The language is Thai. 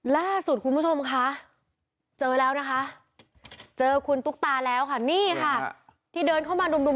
เห็นบอกว่าตุ๊กตาเขาเมาด้วย